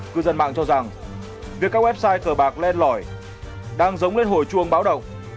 cư dân mạng cho rằng việc các website cờ bạc lên lõi đang giống lên hồi chuông báo động